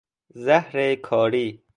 زهر کاری